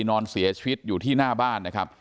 นอนเสียชีวิตอยู่ที่หน้าบ้านนะครับ